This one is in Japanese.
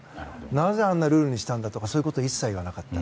なぜあんなルールにしたんだとかそういうことを言わなかった。